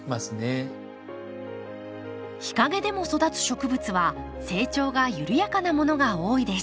日陰でも育つ植物は成長が緩やかなものが多いです。